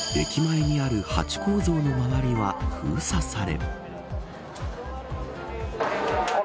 駅前にあるハチ公像の周りは封鎖され。